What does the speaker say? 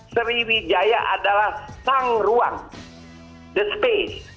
sriwijaya adalah sang ruang the space